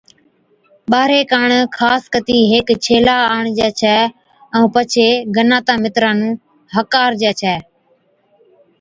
ٻارھي ڪاڻ خاص ڪتِي ھيڪ ڇيلا آڻجي ڇَي، ائُون پڇي گناتان، مِتران نُون ھڪارجَي ڇَي